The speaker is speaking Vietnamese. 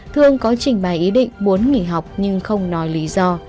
thương có trình bày ý định muốn nghỉ học nhưng không nói lý do